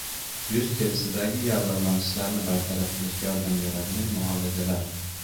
Yuz terisidagi yallig‘lanishlarni bartaraf qilishga yordam beradigan muolajalar